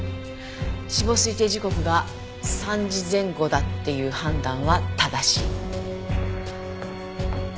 死亡推定時刻が３時前後だっていう判断は正しい。